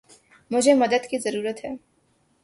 مجھے مدد کی ضرورت ہے۔